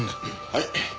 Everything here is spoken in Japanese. はい。